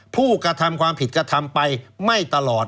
ผู้กระทำความผิดกระทำไปไม่ตลอด